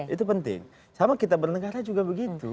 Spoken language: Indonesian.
itu penting sama kita bernegara juga begitu